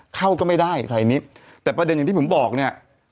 เข้าก็ไม่ได้ใส่นิดแต่ประเด็นอย่างที่ผมบอกเนี่ย